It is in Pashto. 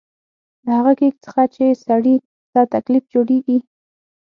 له هغه کېک څخه چې سړي ته تکلیف جوړېږي.